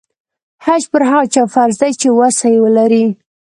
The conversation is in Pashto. حج پر هغه چا فرض دی چې وسه یې ولري.